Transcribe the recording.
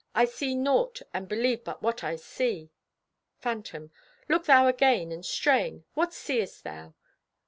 I see naught, and believe but what I see. Phantom: Look thou again, and strain. What seest thou?